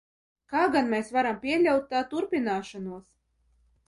Kā gan mēs varam pieļaut tā turpināšanos?